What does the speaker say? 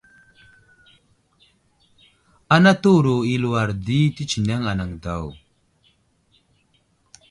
Ana təwuro i aluwar di tətsineŋ anaŋ daw.